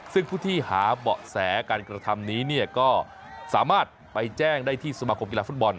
ซึ่งผู้ที่หาเบาะแสการกระทำนี้เนี่ยก็สามารถไปแจ้งได้ที่สมาคมกีฬาฟุตบอล